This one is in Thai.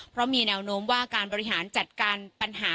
เพราะมีแนวโน้มว่าการบริหารจัดการปัญหา